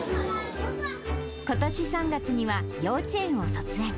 ことし３月には幼稚園を卒園。